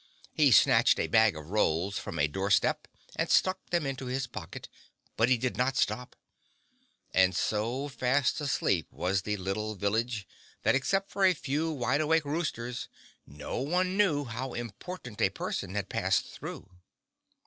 He snatched a bag of rolls from a doorstep and stuck them into his pocket, but he did not stop, and so fast asleep was the little village that except for a few wideawake roosters, no one knew how important a person had passed through.